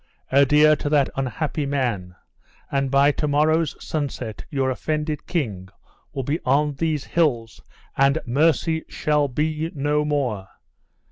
Adhere to that unhappy man, and by to morrow's sunset your offended king will be on these hills, and mercy shall be no more!